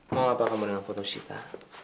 mau ngapa kamu dengar foto sita